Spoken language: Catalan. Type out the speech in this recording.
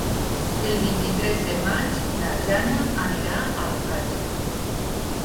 El vint-i-tres de maig na Jana anirà a la platja.